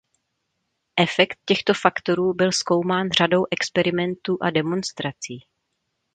Efekt těchto faktorů byl zkoumán řadou experimentů a demonstrací.